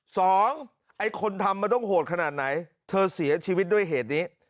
ไอ้คนทำมันต้องโหดขนาดไหนเธอเสียชีวิตด้วยเหตุนี้